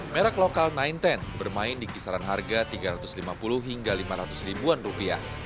merek lokal sembilan ratus sepuluh bermain di kisaran harga rp tiga ratus lima puluh hingga rp lima ratus